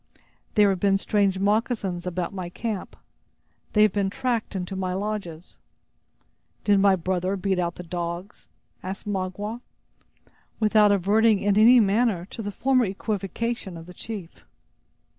"There have been strange moccasins about my camp. They have been tracked into my lodges." "Did my brother beat out the dogs?" asked Magua, without adverting in any manner to the former equivocation of the chief.